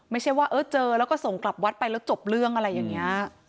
ไม่ใช่ว่าเออเจอแล้วก็ส่งกลับวัดไปแล้วจบเรื่องอะไรอย่างนี้